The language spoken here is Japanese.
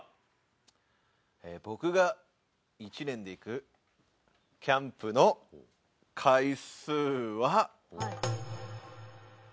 僕が１年で行くキャンプの回数は。